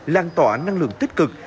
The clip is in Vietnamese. lan tỏa năng lượng tích cực